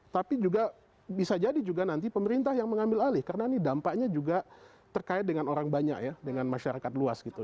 tapi juga bisa jadi juga nanti pemerintah yang mengambil alih karena ini dampaknya juga terkait dengan orang banyak ya dengan masyarakat luas gitu